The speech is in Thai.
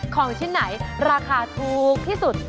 ของชิ้นไหนราคาถูกที่สุด